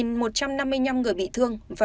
một nghìn một trăm năm mươi năm người bị thương